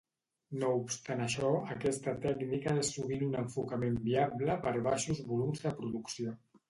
No obstant això, aquesta tècnica és sovint un enfocament viable per baixos volums de producció.